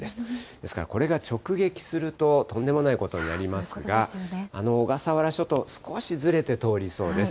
ですからこれが直撃するととんでもないことになりますが、小笠原諸島、少しずれて通りそうです。